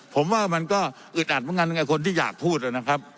ผมว่ามันก็อึดอัดเหมือนกันกับคนที่อยากพูดนะครับ